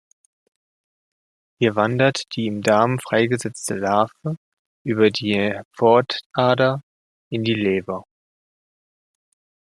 Hier wandert die im Darm freigesetzte Larve über die Pfortader in die Leber.